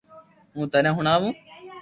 ھون ٿني ھڻاو